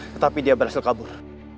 tetapi dia berhasil kabur